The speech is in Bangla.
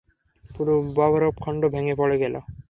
পুরো বরফখন্ড ভেঙ্গে পড়ে গেল।